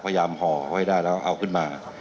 พยายามห่อไว้ได้แล้วเอาขึ้นมา